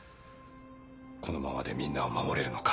「このままでみんなを守れるのか」